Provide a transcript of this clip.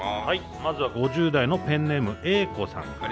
まずは５０代のペンネームエイコさんから。